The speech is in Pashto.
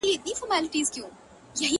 • چي ډېوې یې بلولې نن له ملکه تښتېدلی -